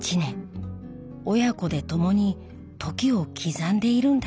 親子で共に時を刻んでいるんだって。